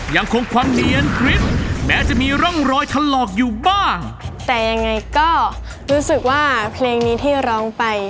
ยังคงความเนียนคริดแม้จะมีร่องรอยถลอกอยู่บ้างแต่ยังไงก็รู้สึกว่าเพลงนี้ที่ร้องไป